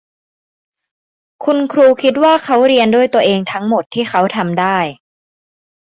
คุณครูคิดว่าเขาเรียนด้วยตัวเองทั้งหมดที่เขาทำได้